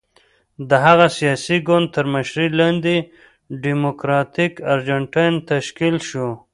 د هغه سیاسي ګوند تر مشرۍ لاندې ډیموکراتیک ارجنټاین تشکیل شو.